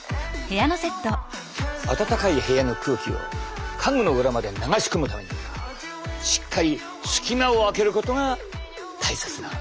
暖かい部屋の空気を家具の裏まで流し込むためにしっかり隙間を空けることが大切なのだ。